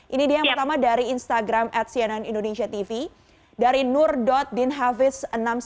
ini dia yang pertama dari instagram at cnn indonesia tv dari nur dinhavis enam puluh satu